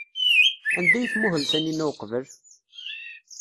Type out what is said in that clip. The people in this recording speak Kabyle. Anda ay tmuhel Taninna uqbel?